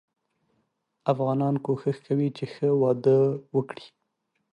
افغانان کوښښ کوي چې ښه واده وګړي.